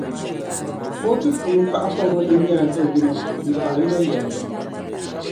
Kootu puuni paɣ’ kpuɣibo din nyɛla do’ yino ni paɣa yino yɛlli.